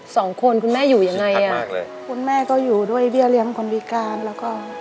คุณแม่อยู่ยังไงอ่ะคุณแม่ก็อยู่ด้วยเบี้ยเลี้ยงคนพิการแล้วก็